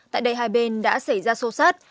tại đây hai bên đã xảy ra sâu sát